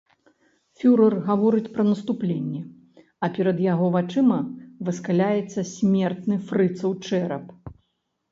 Фюрэр гаворыць пра наступленне, а перад яго вачыма выскаляецца смертны фрыцаў чэрап.